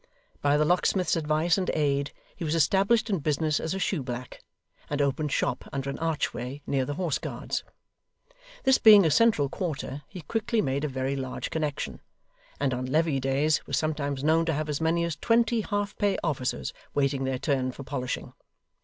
By the locksmith's advice and aid, he was established in business as a shoeblack, and opened shop under an archway near the Horse Guards. This being a central quarter, he quickly made a very large connection; and on levee days, was sometimes known to have as many as twenty half pay officers waiting their turn for polishing.